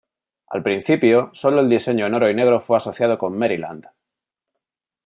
Al principio, sólo el diseño en oro y negro fue asociado con Maryland.